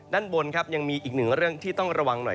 ด้านบนครับยังมีอีกหนึ่งเรื่องที่ต้องระวังหน่อย